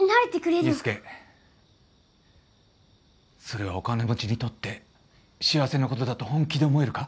それはお金持ちにとって幸せなことだと本気で思えるか？